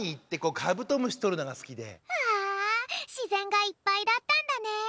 うわしぜんがいっぱいだったんだね！